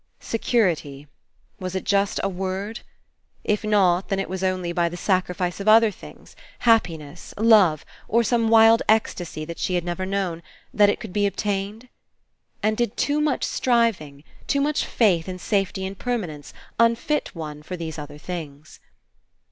Security. Was It just a word? If not, then was It only by the sacrifice of other things, happiness, love, or some wild ecstasy that she had never known, that It could be obtained? And did too much striving, too much faith In safety and permanence, unfit one for these other things?